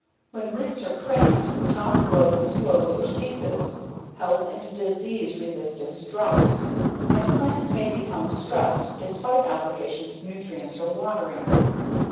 When roots are cramped, top growth slows or ceases, health and disease resistance drops, and plants may become stressed despite applications of nutrients or watering.